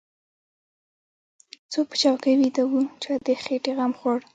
څوک په چوکۍ ويده و چا د خېټې غم خوړ.